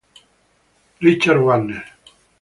Richard Wagner".